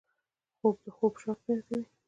خوب د خوب شوق زیاتوي